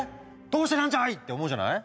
どうしてなんじゃい！って思うじゃない。